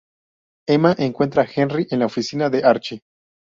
Emma encuentra a Henry en la oficina de Archie.